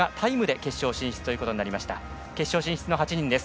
決勝進出の８人です。